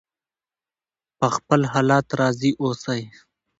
په خپل حالت راضي اوسئ.